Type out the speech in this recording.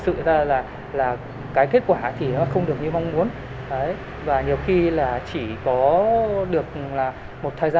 sự ra là là cái kết quả thì nó không được như mong muốn đấy và nhiều khi là chỉ có được là một thời